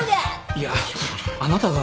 いやあなたが一番。